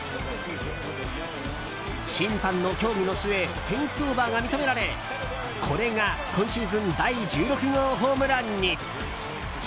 審判の協議の末フェンスオーバーが認められこれが今シーズン第１６号ホームランに。